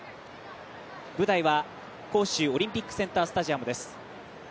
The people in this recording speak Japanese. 舞台は杭州オリンピックセンタースタジアムです。